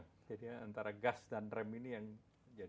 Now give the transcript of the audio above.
kejadian antara gas dan rem ini yang jadi